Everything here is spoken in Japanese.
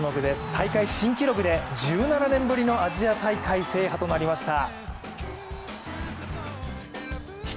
大会新記録で１７年ぶりのアジア大会制覇となりました。